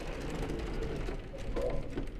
তিনি ভিক্ষুর শপথ লাভ করেন।